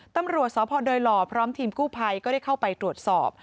ตำรวจสพดอยหล่อพร้อมทีมกู้ภัยก็ได้เข้าไปตรวจสอบ